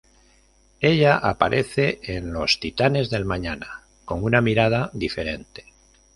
Ella aparece en los "Titanes del Mañana" con una mirada diferente.